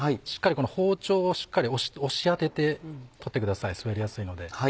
包丁をしっかり押し当てて取ってください滑りやすいので。